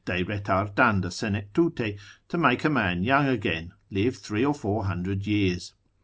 de retardanda senectute, to make a man young again, live three or four hundred years.